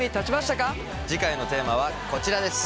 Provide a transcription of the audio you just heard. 次回のテーマはこちらです。